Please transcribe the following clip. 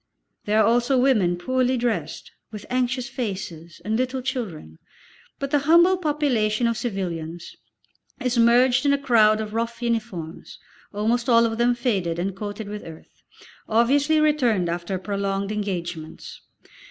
There are also women poorly dressed, with anxious faces, and little children, but the humble population of civilians is merged in a crowd of rough uniforms, almost all of them faded and coated with earth, obviously returned after prolonged engagements.